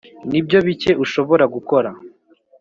nibyo bike ushobora gukora